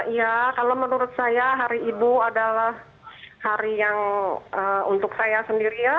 ya kalau menurut saya hari ibu adalah hari yang untuk saya sendiri ya